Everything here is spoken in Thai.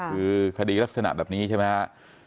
คือคดีลักษณะแบบนี้ใช่ไหมครับ